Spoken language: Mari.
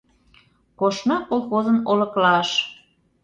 Коштна колхозын олыклаш...